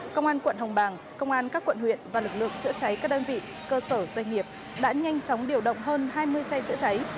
công an quận hồng bàng công an các quận huyện và lực lượng chữa cháy các đơn vị cơ sở doanh nghiệp đã nhanh chóng điều động hơn hai mươi xe chữa cháy